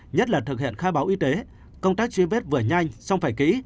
nhất là thực hiện khai báo y tế công tác truy vết vừa nhanh xong phải kỹ